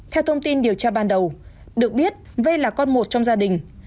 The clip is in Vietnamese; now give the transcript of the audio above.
theo thông tin điều tra ban đầu được biết v là con một trong gia đình